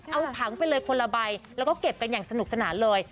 เอาถังไปเลยคนละใบแล้วก็เก็บกันอย่างสนุกสนานเลย